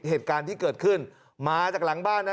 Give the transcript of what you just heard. เหตุการณ์ที่เกิดขึ้นมาจากหลังบ้านนะ